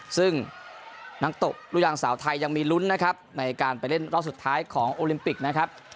ซึ่งนักตบลูกยางสาวไทยยังมีลุ้นนะครับในการไปเล่นรอบสุดท้ายของโอลิมปิกนะครับ